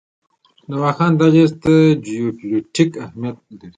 د واخان دهلیز څه جیوپولیټیک اهمیت لري؟